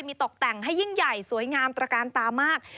มีตกแต่งให้ยิ่งใหญ่สวยงามตระการตามาก